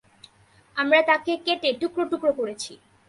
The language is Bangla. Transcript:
আমরা তাকে কেটে টুকরো টুকরো করেছি।